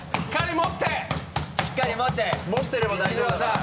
持ってれば大丈夫だから。